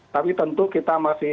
tapi tentu kita masih